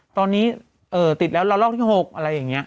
ตอนนี้ติดแล้วละลอกที่๖อะไรอย่างนี้